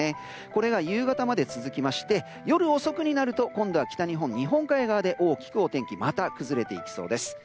これが夕方まで続きまして夜遅くになりますと今度は北日本、日本海側で大きくお天気がまた崩れていきそうです。